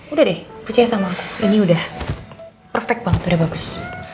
udah deh percaya sama ini udah perfect bang udah bagus